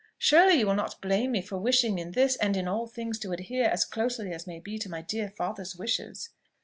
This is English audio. Surely you will not blame me for wishing in this, and in all things, to adhere as closely as may be to my dear father's wishes?"